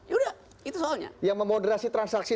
ya udah itu soalnya yang memoderasi transaksi